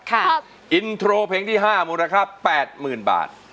ครับอินโทรเพลงที่๕มูลนะครับ๘๐๐๐๐บาท